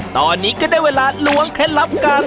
ตอนนี้ก็ได้เวลาล้วงเคล็ดลับการ